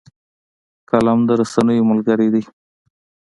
قلم د رسنیو ملګری دی